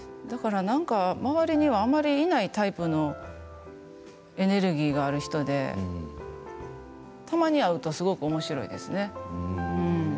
周りにはあまりいないタイプのエネルギーがある人でたまに会うとすごくおもしろいですね。